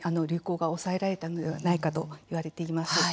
流行が抑えられたのではないかと見られています。